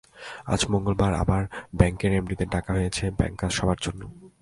আজ মঙ্গলবার আবার ব্যাংকের এমডিদের ডাকা হয়েছে ব্যাংকার্স সভার জন্য।